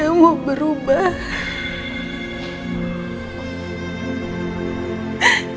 yang membawa kepada beberapa kenyataan